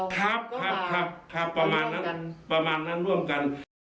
ครับครับประมาณนั้นประมาณนั้นร่วมกัน